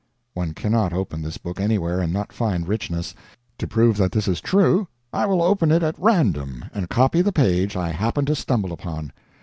One cannot open this book anywhere and not find richness. To prove that this is true, I will open it at random and copy the page I happen to stumble upon.